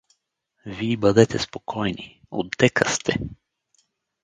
Вий бъдете спокойни… Отдека сте?